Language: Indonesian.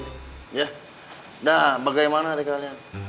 nah bagaimana nih kalian